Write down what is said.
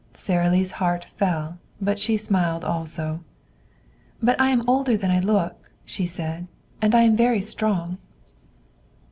Sara Lee's heart fell, but she smiled also. "But I am older than I look," she said. "And I am very strong."